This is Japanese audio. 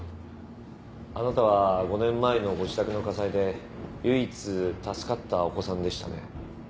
あなたは５年前のご自宅の火災で唯一助かったお子さんでしたね。